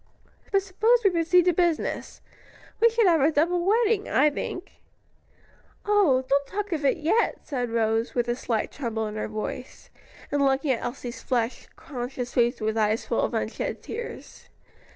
But suppose we proceed to business. We should have a double wedding, I think." "Oh, don't talk of it yet," said Rose, with a slight tremble in her voice, and looking at Elsie's flushed, conscious face with eyes full of unshed tears.